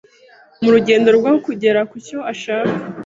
Mu rugendo rwo kugera kucyo ushaka